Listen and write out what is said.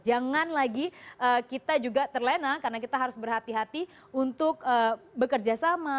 jangan lagi kita juga terlena karena kita harus berhati hati untuk bekerja sama